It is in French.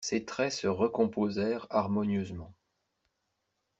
Ses traits se recomposèrent harmonieusement.